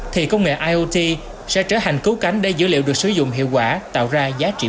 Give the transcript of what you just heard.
thì công nghệ iot sẽ trở thành cứu cánh để dữ liệu được sử dụng hiệu quả tạo ra giá trị